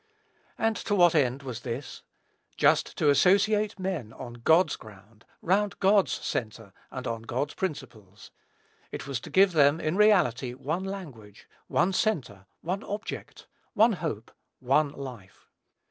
And to what end was this? Just to associate men on God's ground, round God's centre, and on God's principles. It was to give them, in reality, one language, one centre, one object, one hope, one life.